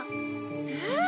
えっ？